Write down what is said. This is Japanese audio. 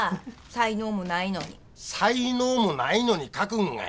才能もないのに書くんが偉いやろ。